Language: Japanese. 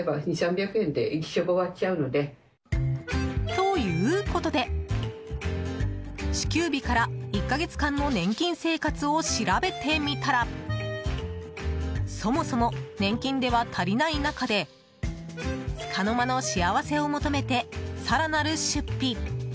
ということで支給日から１か月間の年金生活を調べてみたらそもそも、年金では足りない中でつかの間の幸せを求めて更なる出費。